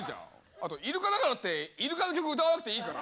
あとイルカだからってイルカの曲歌わなくていいから。